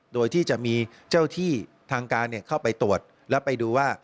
โดยที่จะมีเจ้าที่ทางการเข้าไปตรวจและไปดูว่า